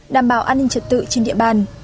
đảm bảo an ninh trật tự trên địa bàn